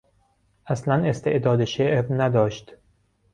اصلا استعداد شعر نداشت.